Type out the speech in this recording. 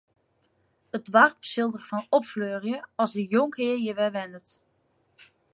It doarp sil derfan opfleurje as de jonkhear hjir wer wennet.